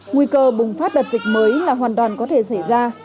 nguy cơ bùng phát đợt dịch mới là hoàn toàn có thể xảy ra